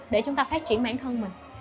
để chúng ta phát triển bản thân mình